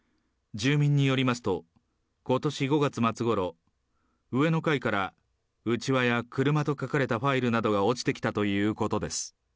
住民によりますと、ことし５月末ごろ、上の階から、うちわや、くるまと書かれたファイルなどが落ちてきたということです。